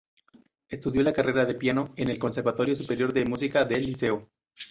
Estudió la carrera de piano en el Conservatorio Superior de Música del Liceo.